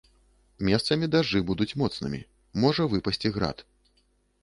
Месцамі дажджы будуць моцнымі, можа выпасці град.